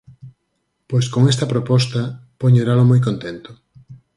Pois con esta proposta, poñeralo moi contento.